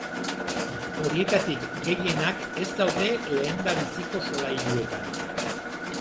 Horietatik gehienak ez daude lehendabiziko solairuetan.